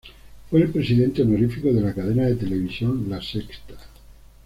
Fue el presidente honorífico de la cadena de televisión La Sexta.